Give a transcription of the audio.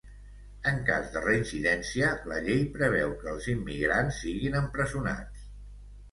En cas de reincidència, la llei preveu que els immigrants siguin empresonats.